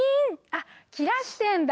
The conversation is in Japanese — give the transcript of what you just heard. あっ切らしてるんだ。